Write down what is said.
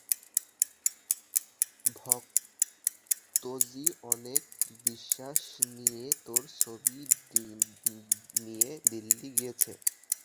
ভগতজি অনেক বিশ্বাস নিয়ে তোর ছবি নিয়ে দিল্লি গিয়েছে।